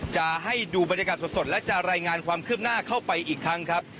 จะให้ดูบรรยากาศสดและจะรายงานความคืบหน้าเข้าไปอีกครั้งครับ